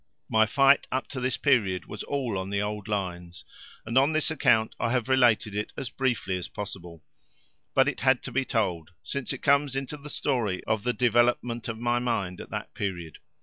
My fight up to this period was all on the old lines, and on this account I have related it as briefly as possible; but it had to be told, since it comes into the story of the development of my mind at that period.